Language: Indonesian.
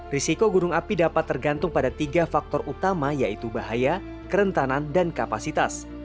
risiko gunung api dapat tergantung pada tiga faktor utama yaitu bahaya kerentanan dan kapasitas